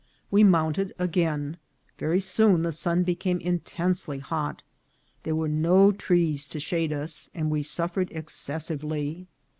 We mounted again ; very soon the sun became intensely hot ; there were no trees to shade us, and we suffered excessively.